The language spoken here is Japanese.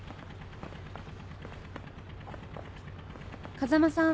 風間さん